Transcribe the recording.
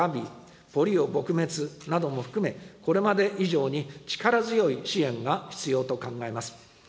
Ｇａｖｉ、ポリオ撲滅なども含め、これまで以上に、力強い支援が必要と考えます。